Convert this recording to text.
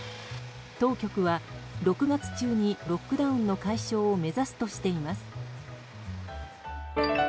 当局は６月中にロックダウンの解消を目指すとしています。